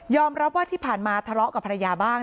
รับว่าที่ผ่านมาทะเลาะกับภรรยาบ้าง